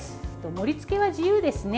盛りつけは自由ですね。